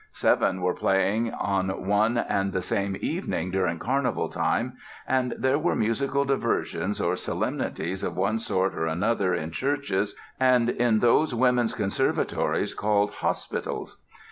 Seven were playing on one and the same evening during Carnival time and there were musical diversions or solemnities of one sort or another in churches and in those women's conservatories called "hospitals".